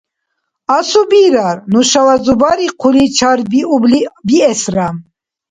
Асубирар, нушала Зубари хъули чарбиубли биэсра.